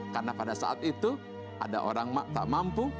karena pada saat itu ada orang tak mampu